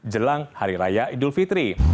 jelang hari raya idul fitri